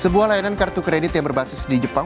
sebuah layanan kartu kredit yang berbasis di jepang